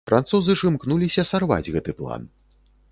Французы ж імкнуліся сарваць гэты план.